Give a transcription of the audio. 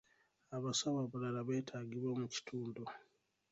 Abasawo abalala beetaagibwa mu kitundu.